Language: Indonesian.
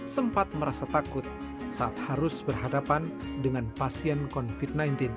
sempat merasa takut saat harus berhadapan dengan pasien covid sembilan belas